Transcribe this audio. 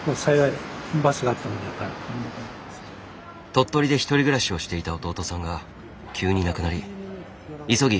鳥取で１人暮らしをしていた弟さんが急に亡くなり急ぎ